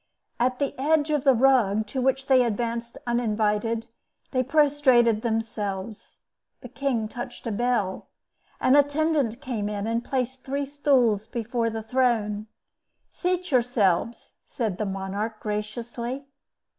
At the edge of the rug, to which they advanced uninvited, they prostrated themselves. The king touched a bell. An attendant came in, and placed three stools before the throne. "Seat yourselves," said the monarch, graciously.